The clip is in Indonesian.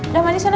udah mandi sana